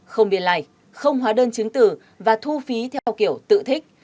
không biên lại không hóa đơn chứng tử và thu phí theo kiểu tự thích